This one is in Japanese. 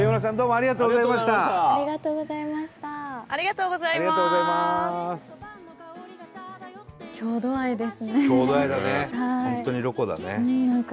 ありがとうございます！